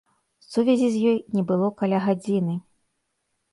Сувязі з ёй не было каля гадзіны.